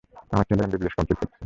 আমার ছেলে MBBS complete করেছে।